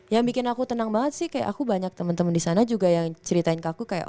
yang bikin aku tenang banget sih kayak aku banyak temen temen disana juga yang ceritain ke aku kayak